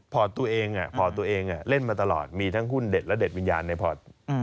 พอร์ตตัวเองพอร์ตตัวเองเล่นมาตลอดมีทั้งหุ้นเด็ดและเด็ดวิญญาณในพอร์ต